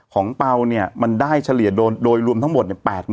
เปล่าเนี่ยมันได้เฉลี่ยโดยรวมทั้งหมด